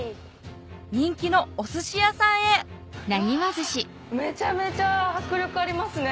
人気のおすし屋さんへうわめちゃめちゃ迫力ありますね。